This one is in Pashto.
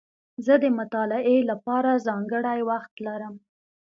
زه د مطالعې له پاره ځانګړی وخت لرم.